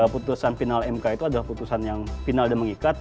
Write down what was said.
putusan final mk itu adalah putusan yang final dan mengikat